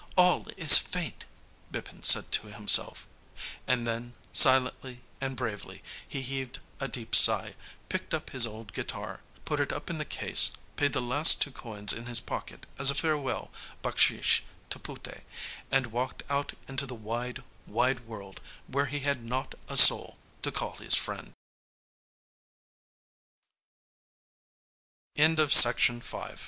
all is Fate!' Bipin said to himself. And then, silently and bravely, he heaved a deep sigh, picked up his old guitar, put it up in the case, paid the last two coins in his pocket as a farewell bakshish to Puté, and walked out into the wide wide world where he h